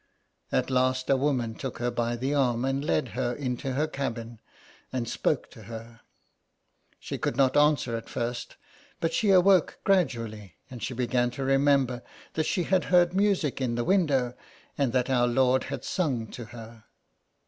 At last a woman took her by the arm and led her into her cabin, and spoke io8 SOME PARISHIONERS. to her. She could not answer at first, but she awoke gradually, and she began to remember that she had heard music in the window and that Our Lord had sung to her.